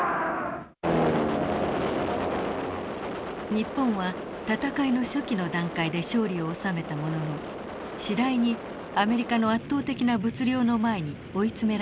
日本は戦いの初期の段階で勝利を収めたものの次第にアメリカの圧倒的な物量の前に追い詰められていきます。